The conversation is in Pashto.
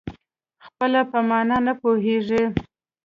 خپله په مانا نه پوهېږي.